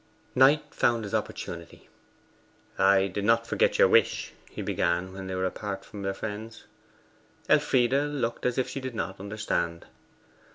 Knight found his opportunity. 'I did not forget your wish,' he began, when they were apart from their friends. Elfride looked as if she did not understand.